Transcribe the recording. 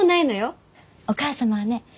お母様はね